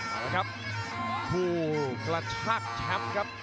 มาแล้วครับผูกระชักแชมป์ครับ